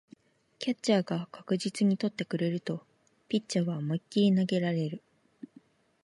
キャッチャーが確実に捕ってくれるとピッチャーは思いっきり投げられる